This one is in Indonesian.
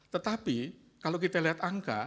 tetapi kalau kita lihat angka